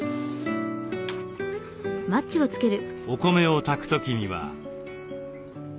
お米を炊く時には。